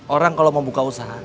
orang kalau mau buka usaha